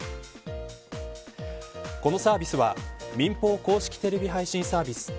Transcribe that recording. このサービスは民放公式テレビ配信サービス